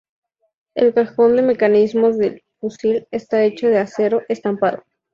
El cajón de mecanismos del fusil está hecho de acero estampado.